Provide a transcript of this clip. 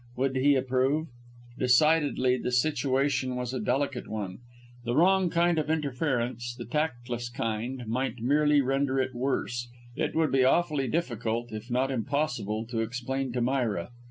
Would he approve? Decidedly the situation was a delicate one; the wrong kind of interference the tactless kind might merely render it worse. It would be awfully difficult, if not impossible, to explain to Myra.